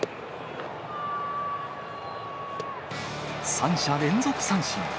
三者連続三振。